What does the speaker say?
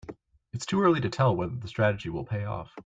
It's too early to tell whether the strategy will pay off.